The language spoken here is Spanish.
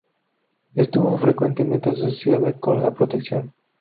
Estuvo frecuentemente asociada con la protección.